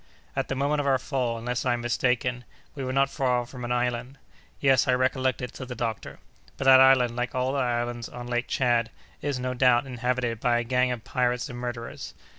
"At the moment of our fall, unless I am mistaken, we were not far from an island." "Yes, I recollect it," said the doctor, "but that island, like all the islands on Lake Tchad, is, no doubt, inhabited by a gang of pirates and murderers.